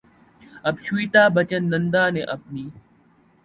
اب شویتا بچن نندا نے اپنی